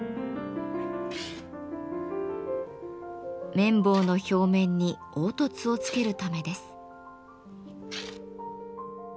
麺棒の表面に凹凸をつけるためです。